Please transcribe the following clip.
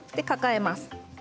かかえます。